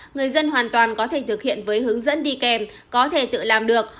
người dân hoàn toàn có thể thực hiện với hướng dẫn đi kèm có thể tự làm được